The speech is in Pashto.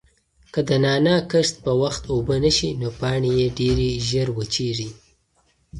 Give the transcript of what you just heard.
که د نعناع کښت په وخت اوبه نشي نو پاڼې یې ډېرې ژر وچیږي.